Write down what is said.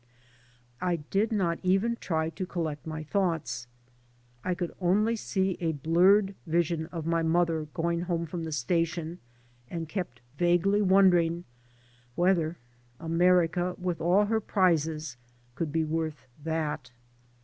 I did not even try to collect my thoughts. I could only see a blurred vision of my mother going home from the station, and kept vaguely wondering whether America, with all her prizes, could be worth that.